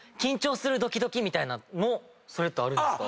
それってあるんですか？